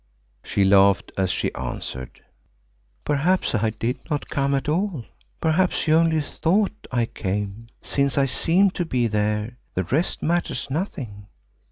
She laughed as she answered, "Perhaps I did not come at all. Perhaps you only thought I came; since I seemed to be there the rest matters nothing."